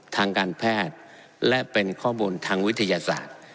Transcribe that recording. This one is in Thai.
ทางการแพทย์และเป็นข้อมูลทางวิทยาศาสตร์